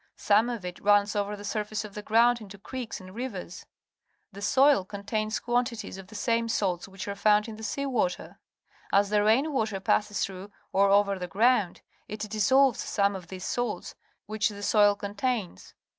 Some of it runs over the surface of the ground into creeks and rivers. The soil contains quantities of the same salts which are found in the sea water. As the rain water passes through or over the ground, it dissolves some of these salts which the soil contains.